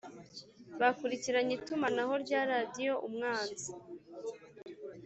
bakurikiranye itumanaho rya radiyo umwanzi.